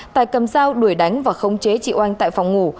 tài cầm dao đuổi đánh và khống chế chị oanh tại phòng ngủ